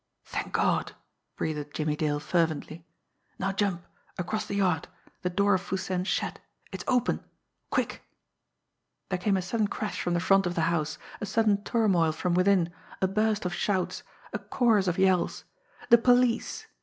"Thank God!" breathed Jimmie Dale fervently. "Now jump across the yard the door of Foo Sen's shed it's open quick " There came a sudden crash from the front of the house, a sudden turmoil from within, a burst of shouts, a chorus of yells. The police!